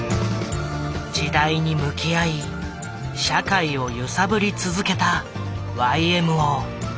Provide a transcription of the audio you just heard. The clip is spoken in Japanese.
時代に向き合い社会を揺さぶり続けたＹＭＯ。